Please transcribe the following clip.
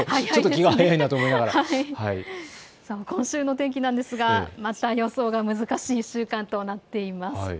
今週のお天気なんですがまた予想が難しい１週間となっています。